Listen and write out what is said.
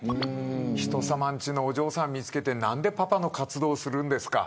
人さまの家のお嬢さんを見つけて何でパパの活動をするんですか。